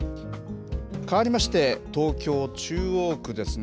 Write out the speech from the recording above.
変わりまして、東京・中央区ですね。